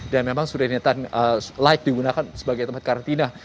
dan memang sudah dinyatakan like digunakan sebagai tempat karantina